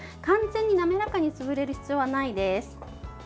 完全に滑らかに潰れる必要はないです。